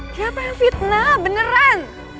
kenapa yang fitnah beneran